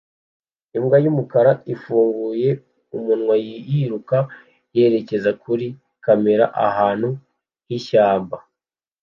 Imbwa yumukara ifunguye umunwa yiruka yerekeza kuri kamera ahantu h'ishyamba